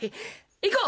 行こう！